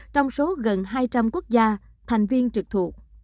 trong số gần hai trăm linh quốc gia thành viên trực thuộc